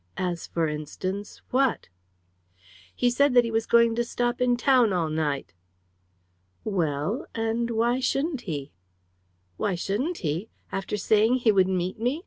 As, for instance, what?" "He said that he was going to stop in town all night." "Well, and why shouldn't he?" "Why shouldn't he? After saying he would meet me!